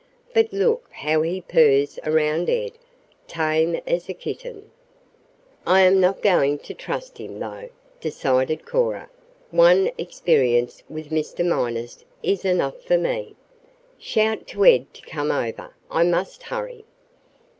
But look how he purrs around Ed tame as a kitten." "I am not going to trust him, though," decided Cora. "One experience with Mr. Minus is enough for me. Shout to Ed to come over. I must hurry."